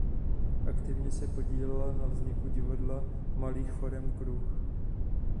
Aktivně se podílela na vzniku divadla malých forem Kruh.